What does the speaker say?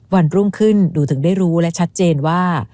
วันรุ่งขึ้นหนูถึงได้รู้และชัดเจนว่า